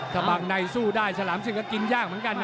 บางในสู้ได้ฉลามศึกก็กินยากเหมือนกันนะ